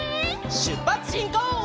しゅっぱつしんこう！